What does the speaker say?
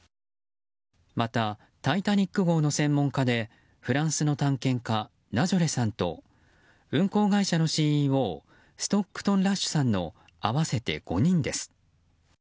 また「タイタニック号」の専門家でフランスの探検家ナジョレさんと運航会社のＣＥＯストックトン・ラッシュさんの合わせて５人です。